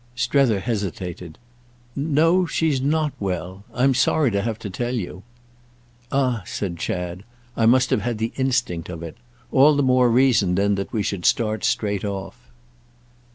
Strether hesitated. "No—she's not well, I'm sorry to have to tell you." "Ah," said Chad, "I must have had the instinct of it. All the more reason then that we should start straight off."